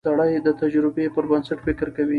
سړی د تجربې پر بنسټ فکر کوي